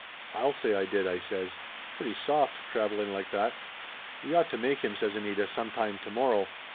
"I'll say I did !" I says. "Pretty soft, traveling like that!" "We ought to make him," says Anita, "sometime to morrow